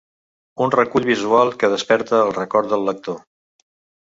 Un recull visual que desperta el record del lector.